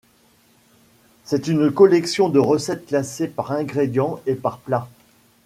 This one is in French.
C'est une collection de recettes classées par ingrédients et par plats.